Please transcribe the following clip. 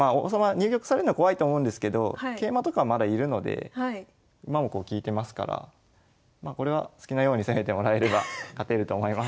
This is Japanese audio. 入玉されんのは怖いと思うんですけど桂馬とかまだいるので馬もこう利いてますからこれは好きなように攻めてもらえれば勝てると思います。